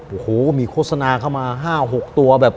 โอ้โหมีโฆษณาเข้ามา๕๖ตัวแบบ